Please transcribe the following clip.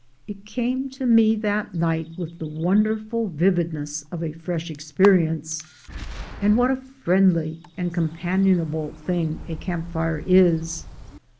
It came to me that night with the wonderful vividness of a fresh experience. And what a friendly and companionable thing a campfire is!